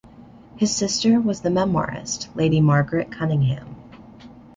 Her sister was the memoirist Lady Margaret Cunningham.